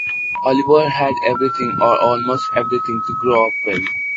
Oliver had everything, or almost everything, to grow up well.